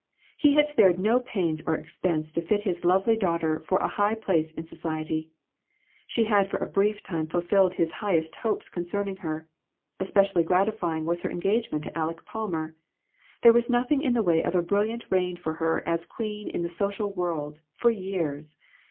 He had spared no pains or expense to fit his lovely daughter for a high place in society. She had for a brief time fulfilled his highest hopes concerning her. Especially gratifying was her engagement to Aleck Palmer. There was noth ing in the way of a brilliant reign for her as queen in the social world, for years.